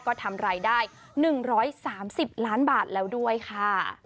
ก็ทำรายได้๑๓๐ล้านบาทแล้วด้วยค่ะ